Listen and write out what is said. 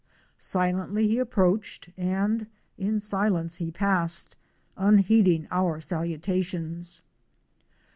Silently he approached and in silence he passed — unheeding our salutations.